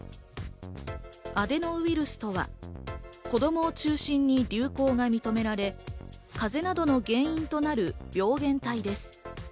アデノウイルスとは子供を中心に流行が認められ、風邪などの原因となる病原体です。